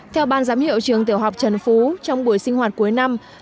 theo ban giám hiệu trường tiểu học trần phú trong buổi sinh hoạt cuối năm